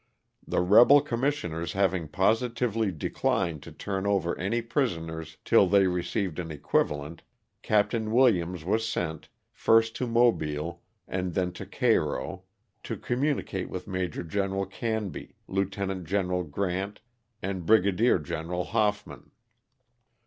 The rebel commissioners having positively declined to turn over any prisoners till they received an equivalent, Captain Williams was sent, first to Mobile and then to Cairo, to com municate with Major General Canby, Lieutenant General Grant and Brigadier General Hoffman.